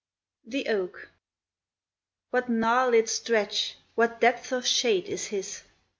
THE OAK. What gnarlèd stretch, what depth of shade, is his!